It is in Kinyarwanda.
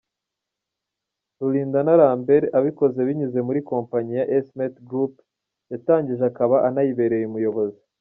Rulindana Lambert abikora binyuze muri kompanyi ya S Mate Group yatangije akaba anayibereye umuyobozi.